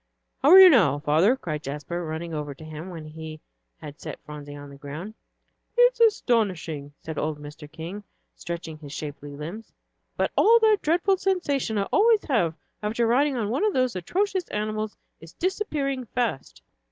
"How are you now, father?" cried Jasper, running over to him when he had set Phronsie on the ground. "It's astonishing," said old Mr. King, stretching his shapely limbs, "but all that dreadful sensation I always have after riding on one of those atrocious animals is disappearing fast."